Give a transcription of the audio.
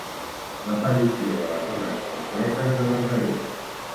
L'aparició de les obres completes de Verdaguer.